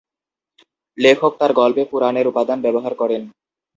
লেখক তার গল্পে পুরাণের উপাদান ব্যবহার করেন।